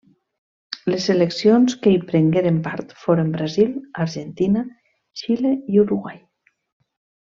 Les seleccions que hi prengueren part foren Brasil, Argentina, Xile i Uruguai.